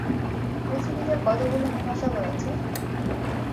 পৃথিবীতে কতগুলি মহাসাগর আছে?